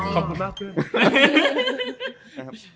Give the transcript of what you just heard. ขอบคุณมากเพื่อน